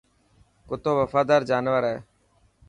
ڪتو وفادار جانور هي.